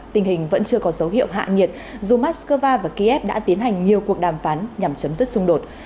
tình hình vẫn chưa có dấu hiệu hạ nhiệt dù moscow và kiev đã tiến hành nhiều cuộc đàm phán nhằm chấm dứt xung đột